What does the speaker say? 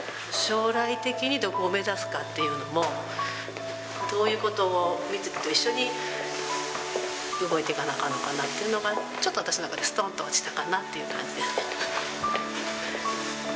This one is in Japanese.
将来的にどこを目指すかっていうのも、どういうことをみずきと一緒に動いていかなあかんのかなというのが、ちょっと私の中ですとんと落ちたかなっていう感じです。